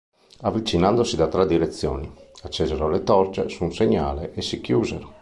Avvicinandosi da tre direzioni, accesero le torce su un segnale e si chiusero.